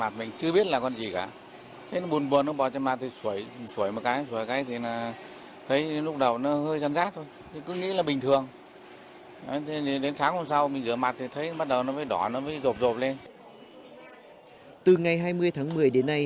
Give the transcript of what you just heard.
từ ngày hai mươi tháng một mươi đến nay